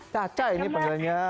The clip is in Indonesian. caca ini panggilnya